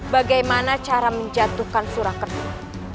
bagaimana cara menjatuhkan surakerta